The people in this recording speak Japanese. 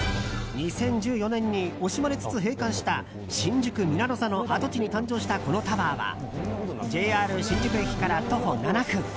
２０１４年に惜しまれつつ閉館した新宿ミラノ座の跡地に誕生したこのタワーはＪＲ新宿駅から徒歩７分